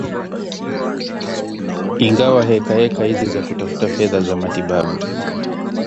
Ingawa heka heka hizi za kutafuta fedha za matibabu